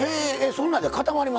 そんなんで固まりますの？